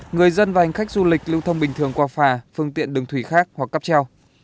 người dân và hành khách du lịch lưu thông bình thường qua phà phương tiện đường thủy khác hoặc cắp treo